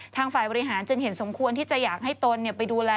ทางฝ่ายบริหารจึงเห็นสมควรที่จะอยากให้ตนไปดูแล